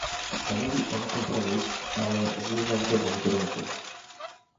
Stanowi on kompromis, ale zmierza w dobrym kierunku